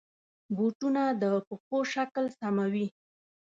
بوټونه د پښو شکل سموي.